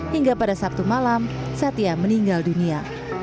hingga pada sabtu malam satya meninggal dunia